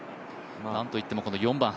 なんといってもこの４番。